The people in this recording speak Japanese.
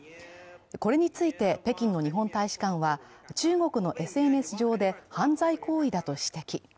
これについて北京の日本大使館は、中国のＳＮＳ上で犯罪行為だと指摘。